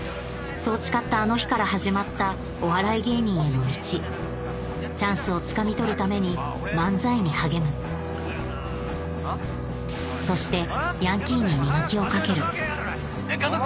そう誓ったあの日から始まったお笑い芸人への道チャンスをつかみ取るために漫才に励むそしてヤンキーに磨きをかける和男君！